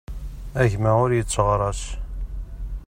A gma ur yetteɣras.